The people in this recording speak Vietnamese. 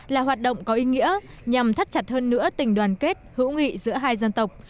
là hoạt động có ý nghĩa nhằm thắt chặt hơn nữa tình đoàn kết hữu nghị giữa hai dân tộc